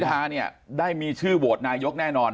อย่างในคุณพิทาได้มีชื่อโหวดนายกแน่นอน